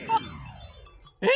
えっ？